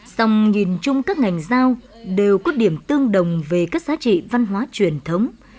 dòng nhìn chung các ngành giao đều có điểm tương đồng về các giá trị văn hóa truyền thống